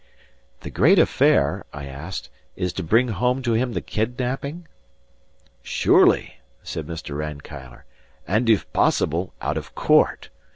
"The great affair," I asked, "is to bring home to him the kidnapping?" "Surely," said Mr. Rankeillor, "and if possible, out of court.